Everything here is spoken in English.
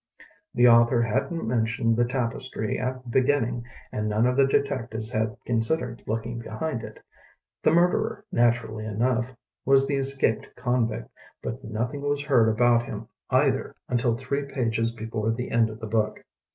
The author hadn't mentioned the tapestry at the beginning and none of the detectives had considered looking behind it. The murderer, naturally enough, was the escaped convict, but nothing was heard about him either until three pages be fore the end of the book.